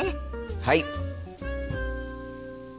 はい！